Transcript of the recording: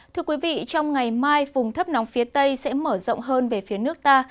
thưa quý vị trong ngày mai vùng thấp nóng phía tây sẽ mở rộng hơn về phía nước ta